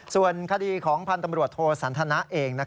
ส่วนคดีของพันธ์ตำรวจโทสันทนะเอง